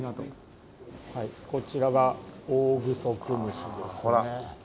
はいこちらがオオグソクムシですね。